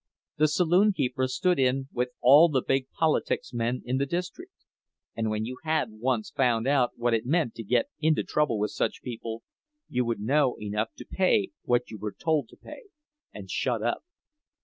The saloon keeper stood in with all the big politics men in the district; and when you had once found out what it meant to get into trouble with such people, you would know enough to pay what you were told to pay and shut up.